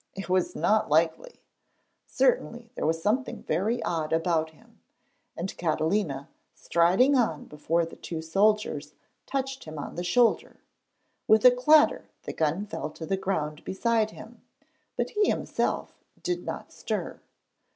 It was not likely! Certainly there was something very odd about him, and Catalina, striding on before the two soldiers, touched him on the shoulder. With a clatter the gun fell to the ground beside him, but he himself did not stir.